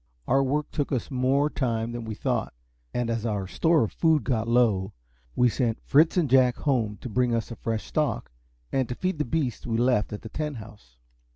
Our work took us more time than we thought; and as our store of food got low, we sent Fritz and Jack home to bring us a fresh stock, and to feed the beasts we had left at Tent House.